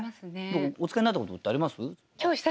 お使いになったことってあります？